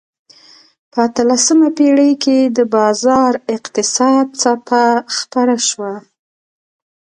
په اتلسمه پېړۍ کې د بازار اقتصاد څپه خپره شوه.